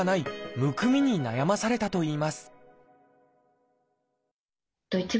むくみに悩まされたといいます